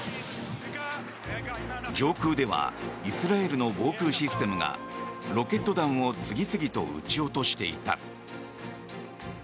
上空ではイスラエルの防空システムがロケット弾を次々と撃ち落としていた。